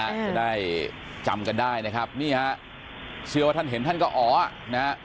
จะได้จำกันได้นะครับนี่ฮะเชื่อว่าท่านเห็นท่านก็อ๋อนะฮะ